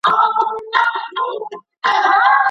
که ښاروالي په کوڅو کي ګروپونه ولګوي، نو د شپې لخوا تیاره نه وي.